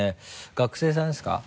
学生さんですか？